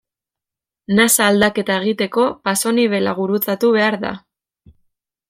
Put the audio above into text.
Nasa aldaketa egiteko pasonibela gurutzatu behar da.